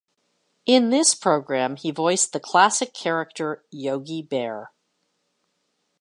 In this program, he voiced the classic character Yogi Bear.